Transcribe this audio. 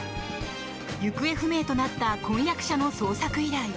行方不明となった婚約者の捜索依頼。